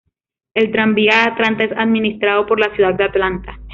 El Tranvía de Atlanta es administrado por la Ciudad de Atlanta.